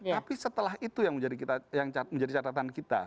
tapi setelah itu yang menjadi catatan kita